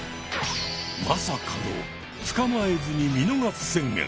まさかの「つかまえずに見逃す」宣言。